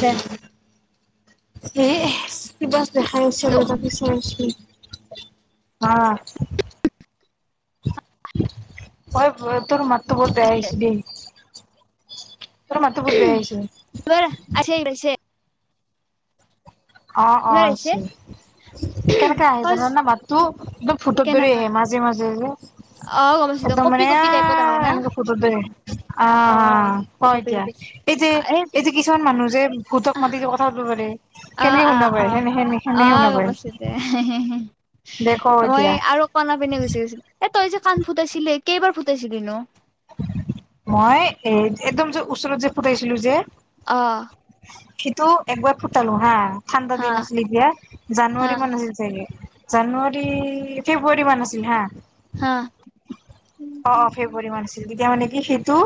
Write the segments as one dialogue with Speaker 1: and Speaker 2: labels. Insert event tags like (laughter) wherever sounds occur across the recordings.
Speaker 1: দে।
Speaker 2: সেই কিবা দেখাইছে (unintelligible) আহ (inaudible)
Speaker 1: (inaudible)
Speaker 2: (unintelligible) তই তোৰ ম বহুত বেয়া আহিছ দেই, ত মাতো বহুত বেয়া
Speaker 1: এইবাৰ
Speaker 2: আহছে।
Speaker 1: আছে আহিছে
Speaker 2: অ অ
Speaker 1: এইবাৰ আহিছে
Speaker 2: আছে কেনেকে আহে
Speaker 1: তই
Speaker 2: জানা নে মাতটো? একদম ভূতৰ দৰে
Speaker 1: কেনেকা
Speaker 2: আহে মাজে মাজে যে
Speaker 1: অ গম পাইছো দে
Speaker 2: একদম
Speaker 1: কপি
Speaker 2: মানে এ এ
Speaker 1: কপি টাইপত আহে না
Speaker 2: এনেকে ভুতৰ দৰে আহে
Speaker 1: অ
Speaker 2: আহ ক
Speaker 1: কপি
Speaker 2: এতিয়া
Speaker 1: কপি
Speaker 2: এই যে
Speaker 1: এ
Speaker 2: এই যে কিছুমান মানুহ যে ভূতক মাটি যে কথা পাতিব পাৰে।
Speaker 1: অ
Speaker 2: কেনেকে
Speaker 1: অ
Speaker 2: শুনাব
Speaker 1: অ
Speaker 2: পাৰি সেনে
Speaker 1: অ
Speaker 2: সেনখনে শুনা
Speaker 1: গম পাইছো দে
Speaker 2: পাৰিম।
Speaker 1: মই আৰু কনা পিনে গুচি গৈছিলো। তই যে কাণ ফুটাইছিলে কেইবাৰ ফুটাইছিলি নো?
Speaker 2: মই এ একদম যে ওচৰত যে ফুটাইছিলো যে‌
Speaker 1: অ
Speaker 2: কিন্তু একবাৰ ফুটালো হা ঠাণ্ডা
Speaker 1: হা
Speaker 2: দিন আছিলে এতিয়া
Speaker 1: হা
Speaker 2: জানুৱাৰী মান আছিল চাগে। জানুৱাৰী ফেব্ৰুৱাৰী মান আছিল হা।
Speaker 1: হা।
Speaker 2: অ', অ', ফেব্ৰুৱাৰী মান আছিল তেতিয়া মানে কি সেইটো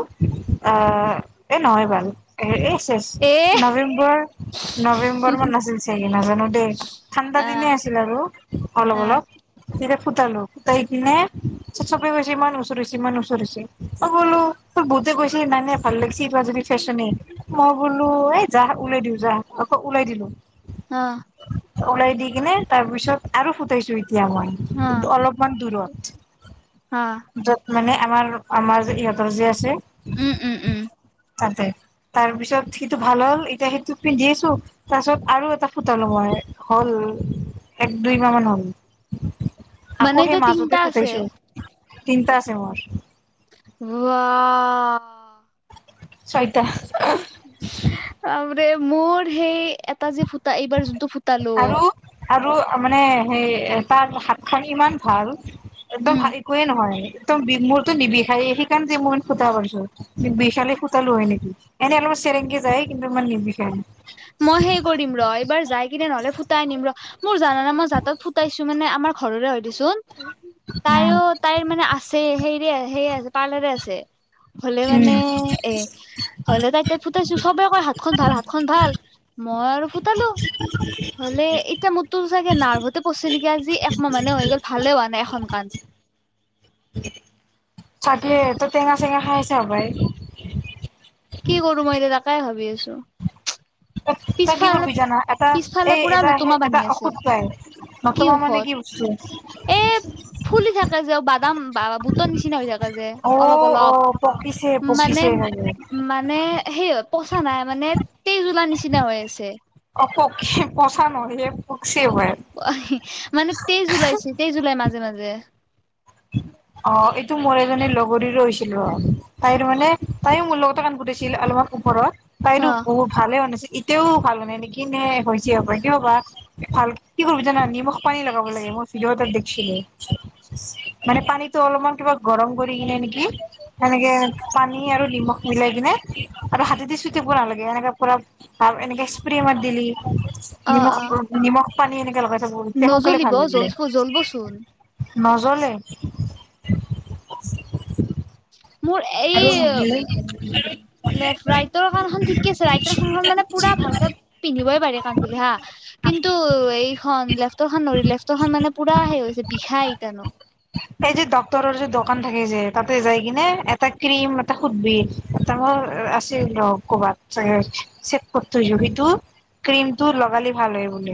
Speaker 2: অ', এ, নহয় বাৰু এ
Speaker 1: এ
Speaker 2: নৱেম্বৰ, নৱেম্বৰ মান আছিল চগে নাজানো দেই ঠাণ্ডা
Speaker 1: হা
Speaker 2: দিনেই আছিল আৰু অলপ
Speaker 1: হা
Speaker 2: অলপ তেয়া তল কতাই কিনে চ কছ ম ৰি ইমান চৰিছে অ', বোলো তোৰ বহুতে কৈছে নানে ভাল লাগি য ফেশচনে ম বোলো এ যাহ ওলাই দিও যাহ আকৌ ওলাই দিলো।
Speaker 1: হা
Speaker 2: ওলাই দি কিনে তাৰ পিছত আৰু ফুটাইছো। দয়া হয়
Speaker 1: হা
Speaker 2: কিন্তু অলপমান
Speaker 1: হা
Speaker 2: দূৰত মানে আমাৰ আমাৰ ইহঁতৰ যে আছে।
Speaker 1: উম, উম, উম।
Speaker 2: তাৰপিছত সেইটো ভাল হ'ল এতিয়া সেইটো পিন্ধি আছো তাৰপিছত আৰু এটা ফুটালো মই হ'ল এক দুইমাহ মান হ'ল।
Speaker 1: মনে যে চিন্তা আছে।
Speaker 2: তিনিটা আছে মোৰ।
Speaker 1: (inaudible)
Speaker 2: ছয়টা।
Speaker 1: আ যে মোৰ সেই এটা যে ফুটা এইবাৰ যোনটো ফুট
Speaker 2: আৰু, আৰু মানে সেই তাৰ হাত খন ইমান ভাল একদম
Speaker 1: উম
Speaker 2: একোৱে নহয় একদম বি মোৰটো নিবিষায়ে। মেট খুত কথা কৈছো বিশালে হয় নেকি এনেই অলপ চেৰেংগে যায় কিন্তু ইমান নিবিষায়।
Speaker 1: মই সেই কৰিম ৰ' এইবাৰ যাই কিনে নহলে ফুটাই আ নিম ৰ মোৰ জানানে মই জাতত ফুটাইছো মানে আমাৰ ঘৰৰে হয় দেচোন। তাইও তাইৰ মানে আ চে হেৰি সে আছে পাৰ্লাৰে আছে। হ'লে মানে
Speaker 2: উম
Speaker 1: এ হলে তাই তাত ফুটাইছো চবে কয় হাত খন ভাল হাত খ ভাল মোৰ (unintelligible) হ'লে এতিয়া মোৰ তটো চাগে নাৰ্ভতে পছে নেকি আজি একমাহ মানে হৈ গ'ল ভালে হোৱা নাই এখন কান।
Speaker 2: চাকে তটো টেঙা চেঙা খাইছে হ'বাই।
Speaker 1: কি কৰোঁ মই এতিয়া তাকে ভাবি আছোঁ
Speaker 2: তই কি
Speaker 1: পিছফালে
Speaker 2: কৰিবি জানা এটা
Speaker 1: পিছফালে
Speaker 2: এই
Speaker 1: পুৰা
Speaker 2: এটা
Speaker 1: লোতুমা
Speaker 2: এটা
Speaker 1: বান্ধি আছে
Speaker 2: ঔষধ পাই
Speaker 1: কি
Speaker 2: নতমা মানে
Speaker 1: ঔষধ
Speaker 2: বস্তু
Speaker 1: এই ফুলি থাকে যে বাদাম বা বুটৰ নিচিনা হৈ থাকে যে
Speaker 2: অ
Speaker 1: অলপ
Speaker 2: অ
Speaker 1: অলপ
Speaker 2: পকিছে
Speaker 1: মানে
Speaker 2: পকিছে চাগে
Speaker 1: মানে সেই পঁচা নাই মানে তেজ উলা নিচিনা নিচিনা হৈ আছে
Speaker 2: অ ক পচা নহয় হে
Speaker 1: অ হি মানে তেজ ওলাইছিল তেজ ওলাই মাজে মাজে জে
Speaker 2: অ এইটো টো মোৰ এজনী লগৰীৰো হৈছিলো ৰ তাইৰ মানে তাইও মোৰ লগতে কান ফুটাইছিল অলপমান ওপৰত তাই তো
Speaker 1: অ
Speaker 2: বহুত ভালে মানে ছি এতিয়াও ভাল হোৱা নাই নেকি নে হৈছে হপায় কিয় বা ভাল কি কৰিবি জানা নিমখ পানী লগাব লাগে মই ভিডিঅ' এটাত দেখছিলো মানে পানীটো অলপমান কিবা গৰম কৰি কিনে নেকি সেনেকে পানী আৰু নিমখ মিলাই কিনে আৰু হাতেদি চুই থাকিব নেলাগে এনে পুৰা এনেকে স্প্ৰে মাৰি দিলি নিমখ অ নিমখ পানী এনেকে লগা
Speaker 1: নজ্বলিব জ্বল জ্বলবচোন
Speaker 2: নজ্বলে (unintelligible)
Speaker 1: মোৰ এই
Speaker 2: আৰু
Speaker 1: লেফট ৰাইটৰ কাণখন ঠিকে আছে ৰাইটৰ কাণখন মানে পুৰা ভালকে পিন্ধিবই পাৰি কাণ ফুলি হা কিন্তু এইখন লেফ্টৰ খন নৰি লেফটৰ খন মানে পুৰা হে হৈছে বিষাই ইটানো
Speaker 2: কন থাকে যে তাতে যাই কিনে এটা ক্ৰীম এটা সুধবি ত মই আছিল ৰ কবাত চাগে (unintelligible) কৰি থছো সেইটো ক্ৰিমটো লগালি ভাল হয় বুলে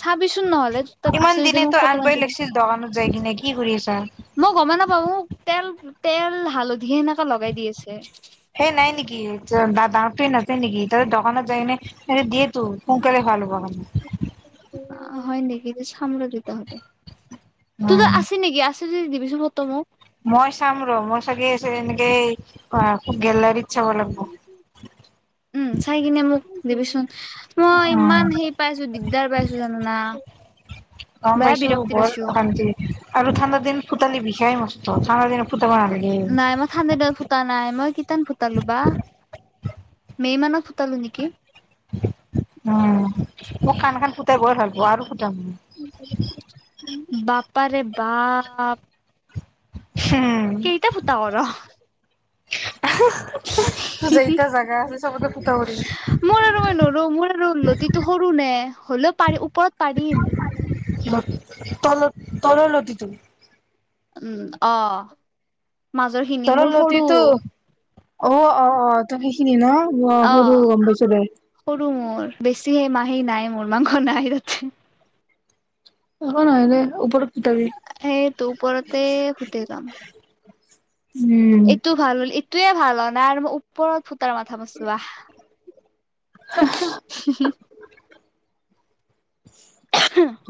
Speaker 1: চাবিচোন নহ'লে তাত আছে যদি মোক
Speaker 2: দিনেতো
Speaker 1: ফটো মাৰি
Speaker 2: আনবই
Speaker 1: দিবি
Speaker 2: লাগিছিল দোকানত যাই কিনে কি কৰি আছা
Speaker 1: মই গমে নাপাওঁ মোক তেল তেল হালধি সেনেকা লগাই দি আছে
Speaker 2: সেই নাই নেকি ডা ডাঙৰটোৱে নাযায় নেকি তাতে দোকানত যায় কিনে সেতে দিয়ে তো সোনকালে ভাল হ'ব
Speaker 1: হয় নেকি চাম ৰ তেতিয়াহতে তোৰতো
Speaker 2: উম
Speaker 1: আছে নেকি আছে আছে যদি দিবিচোন মোক তই মোক
Speaker 2: মই চাম ৰ মই চাগে এনেকে আ গেলাৰীত চাব লাগিব
Speaker 1: উম চাই কিনে মোক দাবিচোন মই
Speaker 2: উম
Speaker 1: ইমান হে পাইছোঁ দিগদাৰ পাইছোঁ জান না
Speaker 2: গম পাইছোঁ বৰ অশান্তি আৰু ঠাণ্ডা দিন ফু ঠাণ্ডা কালি বিষাই মষ্ট ঠাণ্ডা দিনত ফুটা
Speaker 1: নাই মই ঠাণ্ডা দিনত ফুটা নাই মই কিটানু ফুটালো বা মে মানত ফোতালো নকি
Speaker 2: উম মোক কান খান ফুটাব হে লাগব আৰু ফু তাম
Speaker 1: বাপাৰে বাপ
Speaker 2: হম
Speaker 1: কেইটা ফুতা কৰ হু হু
Speaker 2: যেইটা জাগা আছে চবতে ফুটাব দিম
Speaker 1: মোৰ আৰু মই নৰো মোৰ আৰু লতিটো সৰু নে হলেও পাৰি ওপৰত পাৰিম
Speaker 2: ম তল তলৰ লতিটো
Speaker 1: উম অহ
Speaker 2: তলৰ লতিটো অ অ অ ত সেইখিনি ন
Speaker 1: অ
Speaker 2: সৰু গম পাইছো দে
Speaker 1: সৰু মোৰ বেছি সেই মাহী নাই মোৰ মাংস নাই তাতে
Speaker 2: একো নহয় দে ওপৰত ফুটাবি
Speaker 1: সেইটো ওপৰতে ফুতে যাম
Speaker 2: (unintelligible)
Speaker 1: এইটো ভাল বুলি এ তোৱে ভাল আও নাই আৰু মই ওপৰত ফুটাৰ মাথা মৰচো আ হু হু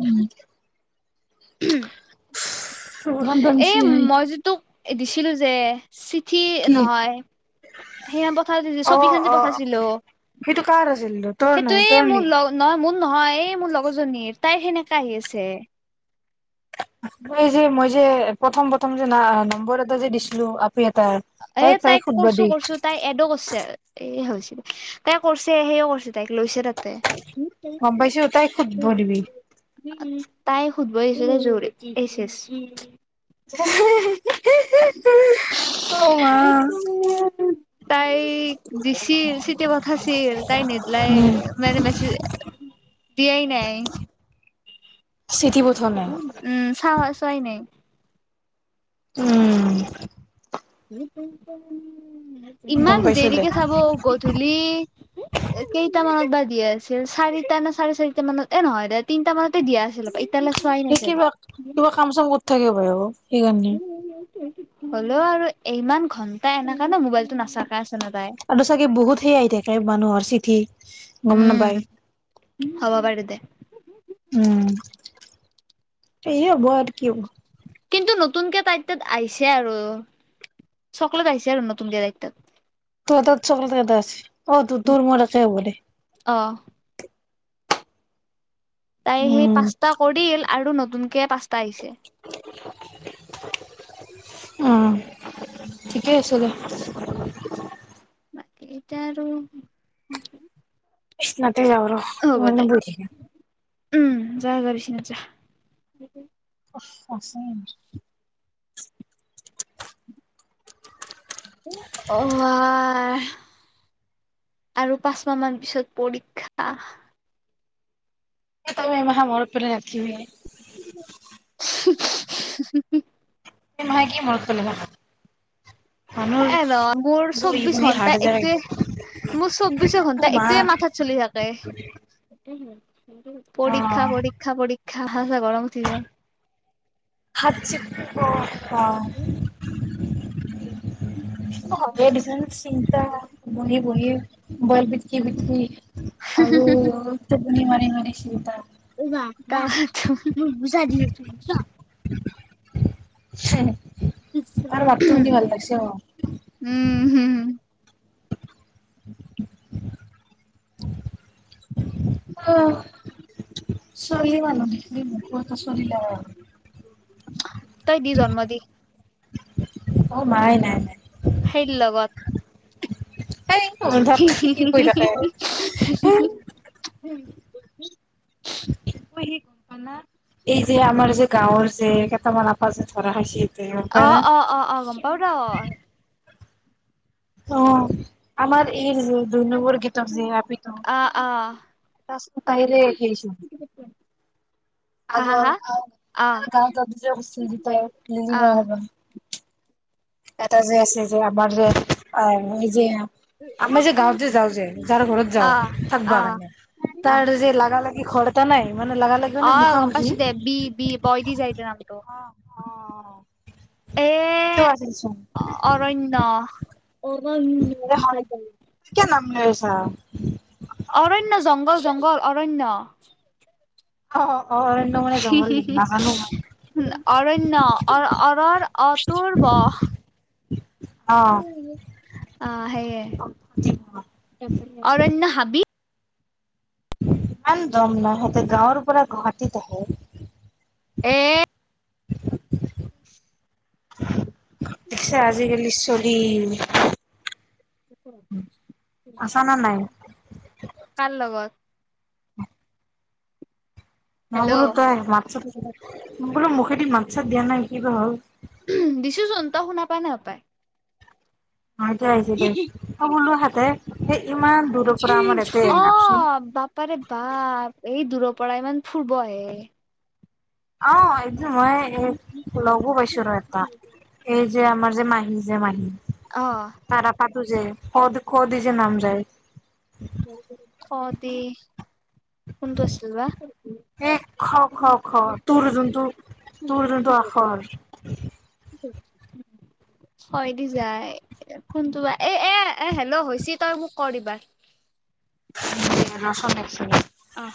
Speaker 2: উম
Speaker 1: হুম
Speaker 2: ওফ ইমান গৰম উঠিছে
Speaker 1: এ দিছিলো যে চি ঠি নহয় সেই পঠাই
Speaker 2: অ
Speaker 1: ছবিখন যে
Speaker 2: অ
Speaker 1: পঠাইছিলো
Speaker 2: সেইটো কাৰ আছিল তোৰ নহয়
Speaker 1: সেইটোৱে
Speaker 2: তোৰ
Speaker 1: মোৰ
Speaker 2: নেকি
Speaker 1: লগ নহয় মোৰ নহয় এই মোৰ লগৰজনীৰ তাই সেনেকা আহি আছে
Speaker 2: মই যে মই যে প্ৰথম প্ৰথম যে ন নম্বৰ এটা যে দিছিলো আপ
Speaker 1: এ তাই কৰছো কৰছো তাই এডো কৰিছে এ হৈছে তাই কৰিছে সেয়ও কৰিছে তাইক লৈছে তাতে
Speaker 2: গম পাইচ তাইক সোধব দিবি
Speaker 1: তাই সুধব আহিছে জৰে এই ছেচ
Speaker 2: হে হে হে
Speaker 1: তাই দিছিল চিটিয় পঠাইছিল তাই নিদিলাই মানে মেচেছ দিয়াই নাই
Speaker 2: চিঠি পঠোৱা নাই
Speaker 1: উম চাওঁ চোৱাই নাই
Speaker 2: উম
Speaker 1: (unintelligible)
Speaker 2: গম
Speaker 1: ইমান
Speaker 2: পাইছো দে
Speaker 1: দেৰিকে চাব গধূলি কেইটামানত বাজ দিয়া আছিল চাৰিটা নে চাৰে চাৰিটা মানত এ নহয় দে তিনটা মানতে দিয়া আছিল এতিয়ালৈ চোৱাই
Speaker 2: সে
Speaker 1: নাই চাগে
Speaker 2: কিবা কিবা কাম চাম কৰি থাকে বাহিৰত
Speaker 1: উম, - উ -উ -উ, হ'লও আৰু ইমান ঘন্টা এনেকা নে মোবাইলটো নাচাকা আচ,
Speaker 2: আৰু চাগে বহুত সেই আহি থাকে মানুহৰ চিঠি। গম নাপায়
Speaker 1: উম, হব পাৰে। তে,
Speaker 2: উম, সেয়ে হ'ব আৰু কি হব।
Speaker 1: কিন্তু নতুনকে তাই তাত আহিছে আৰু চকলেত আহিছে আৰু নতুনকে তাই তাত।
Speaker 2: তোৰ হাতত চকলেতে এটা আছিল। অ', তো- তোৰ - মোৰ একে হ'ব দে।
Speaker 1: অ তাই সেই
Speaker 2: উম
Speaker 1: পাঁচটা কৰিল, আৰু নতুনকে পাঁচটা, পাইছে।
Speaker 2: ঠিকেই আছে দিয়া।
Speaker 1: বাকী এতিয়া আৰু,
Speaker 2: কৃষ্ণ, এ, আৰু
Speaker 1: হ'ব
Speaker 2: কিমান নো
Speaker 1: দে
Speaker 2: বহি থাকিম।
Speaker 1: উম, যাগৈ বিচনাত জা।
Speaker 2: (unintelligible)
Speaker 1: অৱা, আৰু পাঁচ মাহ মান পিছত পৰীক্ষা।
Speaker 2: এ, তই এইমাখা মনত পেলাই নাথাকিবি এ,
Speaker 1: (unintelligible) (unintelligible)
Speaker 2: এই মখা কি মনত পেলে থাকা?
Speaker 1: এ, ৰ 'মোৰ চৌব্বিশ ঘন্টা এইটোৱে, মোৰ চৌব্বিশ অ, ঘন্টা এইটোয়ে মাথাত চলি থাকে। পৰীক্ষা- পৰীক্ষা -পৰীক্ষা পৰীক্ষা গা - ছা গৰম উঠি যায়।
Speaker 2: (unintelligible) হবই দেচোন চিন্তা বহি বহি। বল পিতকি - পিতকি । আৰু টোপনি মাৰি- মাৰি শ্ৰোতা।
Speaker 1: মোক বুজাই দি আছিলি কিয়?
Speaker 2: সেহে। (unintelligible)
Speaker 1: উহহু -উহুও
Speaker 2: অহ, চলি মানক দেখি মোকোএটা চলি লাগা হল।
Speaker 1: তই দি জন্ম দি।
Speaker 2: অ' মায়ে নাই-নাই।
Speaker 1: সেই লগত
Speaker 2: এই ধক কি কৈ থাকে মানে এই যে আমাৰ যে গাঁৱৰ যে কেইটামান আপা যে ধৰা খাইছি।
Speaker 1: অহ-অহ-অহ-অহ গম পাও ৰ অ',
Speaker 2: অ', আমাৰ এই দুই নম্বৰী গীতাক যে আপিটো।
Speaker 1: অ' অ'
Speaker 2: এ আ তাইৰেই
Speaker 1: হা হা
Speaker 2: আগৰ
Speaker 1: হা অ'
Speaker 2: ত গাঁওঁত যে কৰিছিল দুটাই
Speaker 1: অ'
Speaker 2: লিলিমাই এটা যে আছে যে, আমাৰ যে অ' এই যে আমি যে গাঁৱত যে যাও যে যাৰ ঘৰত যাওঁ
Speaker 1: অ'
Speaker 2: থাকিব
Speaker 1: অ'
Speaker 2: কাৰণে
Speaker 1: অ'
Speaker 2: তাৰ যে লাগা লাগি সি ঘৰতে নাই। মানে লাগা লাগি মানে
Speaker 1: অ' গম
Speaker 2: মুখামুখি
Speaker 1: পাইছো দে বি-বি, বই দি যায় দে নামটো
Speaker 2: অ
Speaker 1: এ
Speaker 2: ক তেছ (unintelligible)
Speaker 1: অভ (unintelligible)
Speaker 2: হা,
Speaker 1: অৰণ্য জংঘল-জংঘল অৰণ্য।
Speaker 2: অ', অৰণ্য মানে জংঘল নেকি নাজানো মই
Speaker 1: অৰন্য অ অৰন্য অ টোৰ ব অহ
Speaker 2: অ'।
Speaker 1: সেয়ে
Speaker 2: ইমান
Speaker 1: অৰন্য হাবি।
Speaker 2: ইমান দম নহ সিহঁতে গাঁৱৰ পৰা গুৱাহাটীত আহে।
Speaker 1: উ (inaudible)
Speaker 2: উ (inaudible) পিছে আজিকালি চলি। আছা নে নাই।
Speaker 1: কাৰ লগত
Speaker 2: মই বোলো
Speaker 1: হেল্ল'
Speaker 2: তই হোৱাতচ এপত বোলে মুখেদি মাকছাত দিয়া নাই কিবা হ'ল।
Speaker 1: দিছোচোন তই শুনা পা নাই হপাই।
Speaker 2: এতিয়া আহিছ দেই অ বোলো হাতে স ইমান দূৰৰ পৰা আমাৰ এতে
Speaker 1: অ
Speaker 2: আহচোন।
Speaker 1: বাপাৰে বাপ এই দূৰৰ পৰা ইমান ফুৰিব আহে।
Speaker 2: অ, মই এই লঘু পাইছোঁ ৰ এটা এই যে আমাৰ যে মা নিজে মাৰি
Speaker 1: অ'
Speaker 2: তোৰযে খদ খদি দি যে নাম যায়।
Speaker 1: খ দি। কোনটো আছিল বা
Speaker 2: এ খ খ খ তোৰ যোনটো তোৰ যোনটো আখৰ
Speaker 1: হয় দি যায় কোনটোা এ এ এ হেল্ল'ছ তই মোক ক দিবা
Speaker 2: ৰচন একচ
Speaker 1: আহ